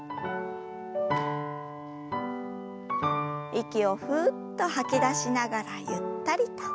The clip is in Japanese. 息をふっと吐き出しながらゆったりと。